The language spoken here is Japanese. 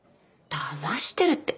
だましてるって。